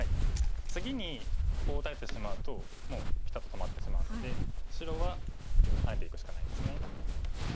次にこう打たれてしまうともうピタッと止まってしまうので白はハネていくしかないですね。